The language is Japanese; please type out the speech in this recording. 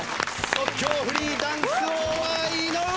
即興フリーダンス王は井上一太！